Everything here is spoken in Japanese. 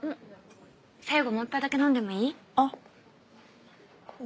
最後もう１杯だけ飲んでもいい？あうん。